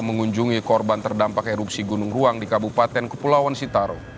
mengunjungi korban terdampak erupsi gunung ruang di kabupaten kepulauan sitaru